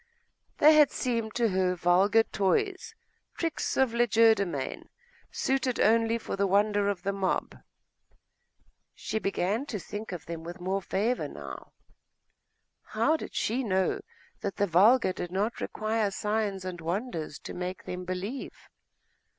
They had seemed to her vulgar toys, tricks of legerdemain, suited only for the wonder of the mob.... She began to think of them with more favour now. How did she know that the vulgar did not require signs and wonders to make them believe?....